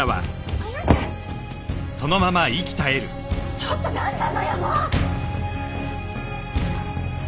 ちょっとなんなのよもう！